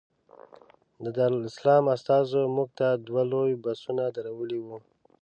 د دارالسلام استازو موږ ته دوه لوی بسونه درولي وو.